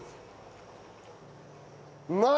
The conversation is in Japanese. うまい！